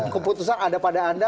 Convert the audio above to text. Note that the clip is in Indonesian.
keputusan ada pada anda